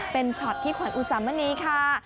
เป็นช็อตที่ขวานอุสัมเมื่อนี้ค่ะ